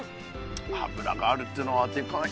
油があるっていうのはでかい。